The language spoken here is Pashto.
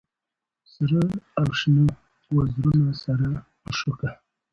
سره او شنه یې وزرونه سره مشوکه